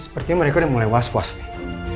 sepertinya mereka udah mulai was was nih